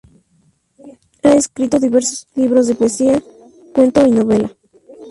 Ha escrito diversos libros de poesía, cuento y novela.